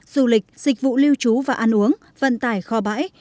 du lịch dịch vụ lưu trú và ăn uống vận tải kho bãi